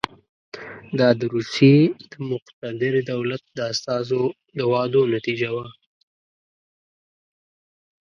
دا د روسیې د مقتدر دولت د استازو د وعدو نتیجه وه.